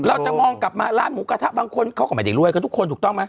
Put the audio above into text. เราจะมองกลับมาร้านหมูกระทะบางคนเขาก็ไม่ได้รวยกับทุกคนถูกต้องไหม